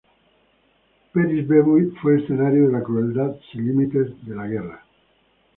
Piribebuy fue escenario de la crueldad sin límites de la guerra.